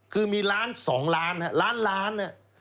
คือมีล้าน๒ล้านล้าน